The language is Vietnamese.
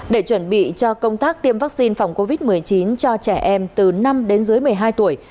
để chuẩn bị cho công tác tiêm vaccine phòng covid một mươi chín cho trẻ em từ năm đến dưới một mươi hai tuổi